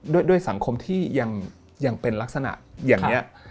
ด้วยสังคมที่ยังเป็นลักษณะอย่างนี้